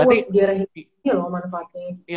aku biar ini loh manfaatnya